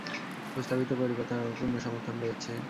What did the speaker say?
প্রস্তাবিত পরিবর্তনে আমার পূর্ণ সমর্থন রয়েছে।